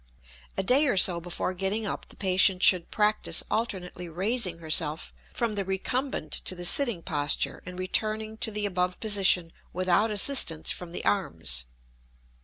A day or so before getting up the patient should practice alternately raising herself from the recumbent to the sitting posture and returning to the above position without assistance from the arms.